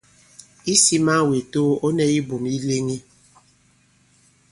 Isī man wě too, ɔ̌ nɛ ibum di leŋi.